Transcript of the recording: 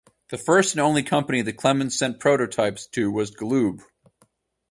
The first and only company that Clemens sent prototypes to was Galoob.